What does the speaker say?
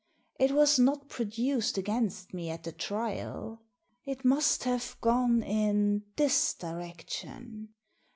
It was not produced against me at the trial It must have gone in this direction.